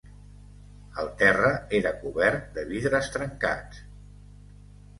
El terra era cobert de vidres trencats